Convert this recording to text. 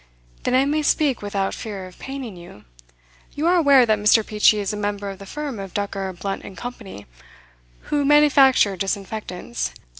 'Then I may speak without fear of paining you. You are aware that Mr Peachey is a member of the firm of Ducker, Blunt & Co., who manufacture disinfectants.